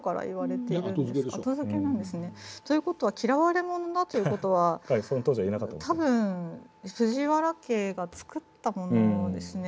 後付けなんですね。という事は嫌われ者だという事は多分藤原家が作ったものですね。